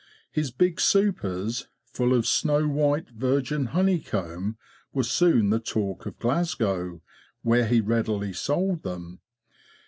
His big supers, full of snow white virgin honey comb, were soon the talk of Glasgow, where he readily sold them.